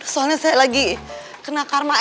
soalnya saya lagi kena karma